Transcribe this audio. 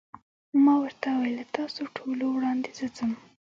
ما ورته وویل: له تاسو ټولو وړاندې زه ځم.